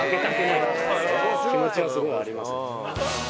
気持ちはすごいありますよ。